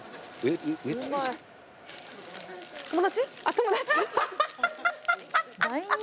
友達。